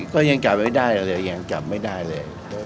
ก็ยังจับไม่ได้เลย